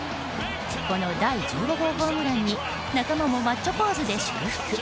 この第１５号ホームランに仲間もマッチョポーズで祝福。